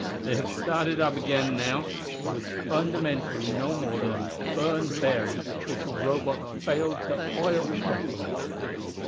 They have started up again now; it was fundamentally no more than a burned bearing which a Robot failed to oil properly."